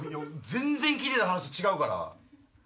全然聞いてた話と違うから。